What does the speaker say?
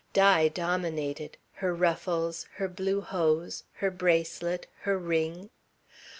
Di dominated, her ruffles, her blue hose, her bracelet, her ring.